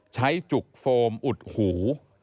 ใช้จุกโฟมอุดหู